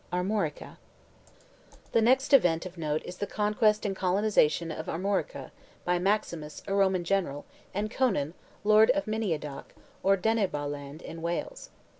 ARMORICA The next event of note is the conquest and colonization of Armorica, by Maximus, a Roman general, and Conan, lord of Miniadoc or Denbigh land, in Wales.